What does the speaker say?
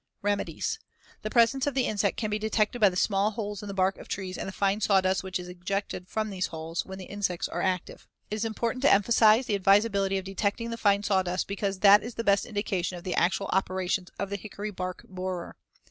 Remedies: The presence of the insect can be detected by the small holes in the bark of the trees and the fine sawdust which is ejected from these holes, when the insects are active. It is important to emphasize the advisability of detecting the fine sawdust because that is the best indication of the actual operations of the hickory bark borer.